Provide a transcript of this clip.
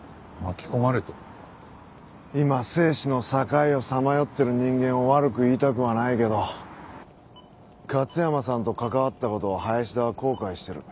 今生死の境をさまよってる人間を悪く言いたくはないけど勝山さんと関わった事を林田は後悔してる。